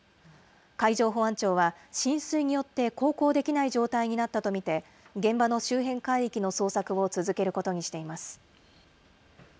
海上保安庁は、浸水によって航行できない状態になったと見て、現場の周辺海域の捜索を続けることにしています。